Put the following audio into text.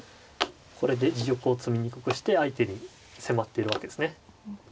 これで自玉を詰みにくくして相手に迫ってるわけですね。